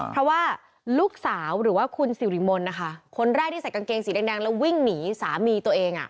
เพราะว่าลูกสาวหรือว่าคุณสิริมนต์นะคะคนแรกที่ใส่กางเกงสีแดงแล้ววิ่งหนีสามีตัวเอง